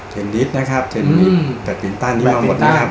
เทนนิสนะครับเทนนิสแบบปีนต้านี้มาหมดนะครับ